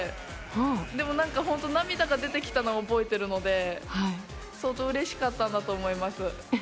でも、涙が出てきたのは覚えているので相当うれしかったんだと思います。